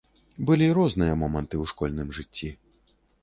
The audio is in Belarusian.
Былі розныя моманты ў школьным жыцці.